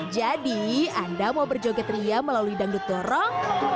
jadi anda mau berjoget ria melalui dangdut dorong